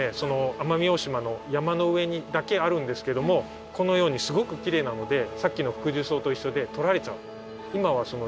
奄美大島の山の上にだけあるんですけどこのようにすごくきれいなのでさっきのフクジュソウと一緒でとられちゃう。